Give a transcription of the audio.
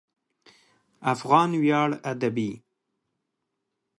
افغان ویاړ ادبي